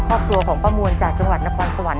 ครอบครัวของป้ามวลจากจังหวัดนครสวรรค